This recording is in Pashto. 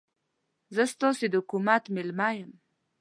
زه ستاسې د حکومت مېلمه یم.